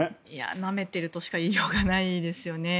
なめているとしか言いようがないですよね。